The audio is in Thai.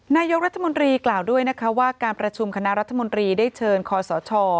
นายกรัฐมนตรีกล่าวด้วยนะคะว่าการประชุมคณะรัฐมนตรีได้เชิญคอสช